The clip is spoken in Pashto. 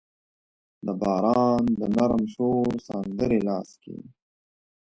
د باران د نرم شور سندرې لاس کې